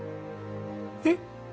えっ？